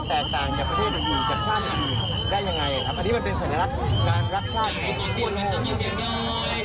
ยังแต่เราต้องการพูดกันแน่นายคือมันควรจะต้องไปกลัวหลังเพศภาคเราตอนไหน